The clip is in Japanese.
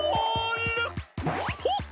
ほっ！